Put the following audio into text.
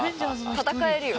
戦えるよ。